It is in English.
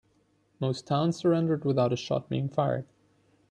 Most towns surrendered without a shot being fired.